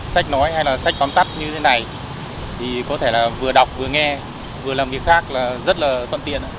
sách nói hay là sách tóm tắt như thế này thì có thể là vừa đọc vừa nghe vừa làm việc khác là rất là thuận tiện